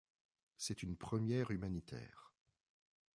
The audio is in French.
C'est une première humanitaire.